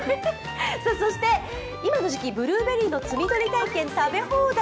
そして今の時期、ブルーベリーの摘み取り体験、食べ放題。